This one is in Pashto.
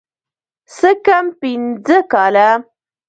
څه کم پينځه کاله.